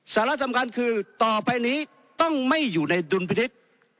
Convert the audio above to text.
สาระสำคัญคือต่อไปนี้ต้องไม่อยู่ในดุลพินิษฐ์